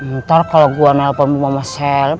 ntar kalo gua nelpon sama mas seleb